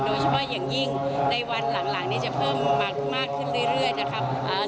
โดยเฉพาะอย่างยิ่งในวันหลังนี้จะเพิ่มมากขึ้นเรื่อยนะครับ